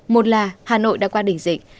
một là hà nội đã qua đỉnh dịch